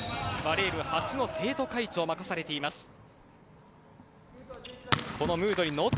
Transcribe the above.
バレー部初の生徒会長を任されています。